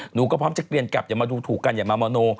หนูก็พร้อมจะเกลียนกลับอย่ามาดูถูกกันอย่ามามอโน